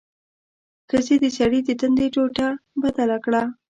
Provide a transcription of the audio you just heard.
ښځې د سړي د تندي ټوټه بدله کړه.